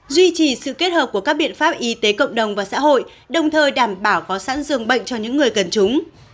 duy trì sự kết hợp của các biện pháp y tế cộng đồng và xã hội đồng thời đảm bảo có sẵn dường bệnh cho những người cần chúng